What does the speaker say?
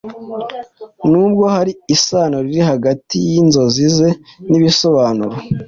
Nubwo hari isano riri hagati yinzozi ze nibisobanuro